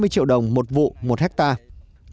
hai mươi triệu đồng một vụ một hectare